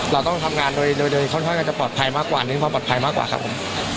เราต้องทำงานโดยค่อนข้างจะปลอดภัยมากกว่าเน้นความปลอดภัยมากกว่าครับผม